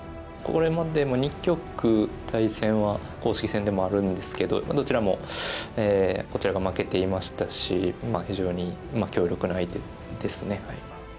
これまでも２局対戦は公式戦でもあるんですけどどちらもこちらが負けていましたし非常に強力な相手ですね。